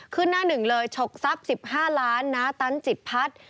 ขึ้นหน้าหนึ่งเลยฉกทรัพย์๑๕ล้านณตันจิตภัทร